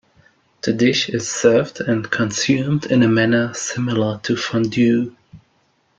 The dish is served and consumed in a manner similar to fondue.